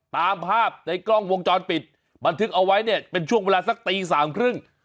ตามภาพในกล้องวงจรปิดบันทึกเอาไว้เนี่ยเป็นช่วงเวลาสักตีสามครึ่ง